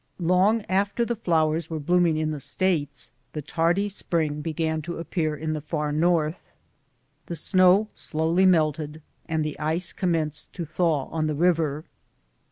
Long after the flowers were blooming in the States, the tardy spring began to appear in the far North. The snow slowly melted, and the ice commenced to thaw on the river.